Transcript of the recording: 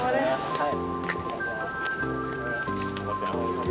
はい。